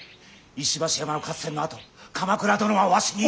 石橋山の合戦のあと鎌倉殿はわしに。